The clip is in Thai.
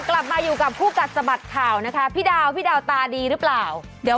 กลับมาอยู่กับผู้กัดสรรพธิ์ข่าวพี่ดาวตาดีหรือเปล่า